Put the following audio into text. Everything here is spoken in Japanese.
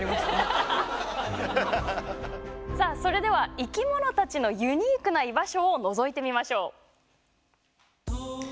さあそれでは生き物たちのユニークな居場所をのぞいてみましょう。